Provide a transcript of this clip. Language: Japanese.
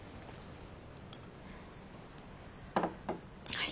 はい。